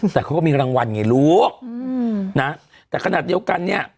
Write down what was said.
แต่เขาก็มีรางวัลไงลูกนะแต่ขนาดเดียวกันเนี่ย